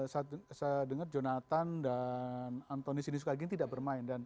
saya dengar jonathan dan anthony sini sukargin tidak bermain